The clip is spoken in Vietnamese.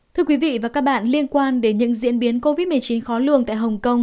thưa quý vị và các bạn liên quan đến những diễn biến covid một mươi chín khó lường tại hồng kông